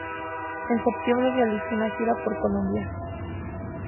En septiembre realizó una gira por Colombia.